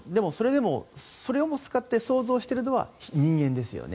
それをも使って創造しているのは人間ですよね。